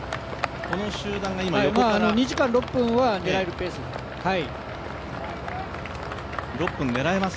２時間６分は狙えるペースです。